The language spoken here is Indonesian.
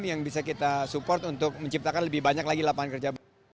yang bisa kita support untuk menciptakan lebih banyak lagi lapangan kerja